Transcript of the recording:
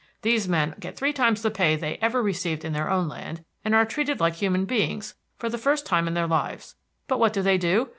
These men get three times the pay they ever received in their own land, and are treated like human beings for the first time in their lives. But what do they do?